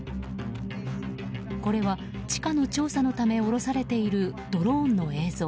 これは地下の調査のため降ろされているドローンの映像。